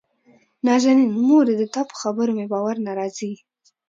نازنين: مورې دتا په خبرو مې باور نه راځي.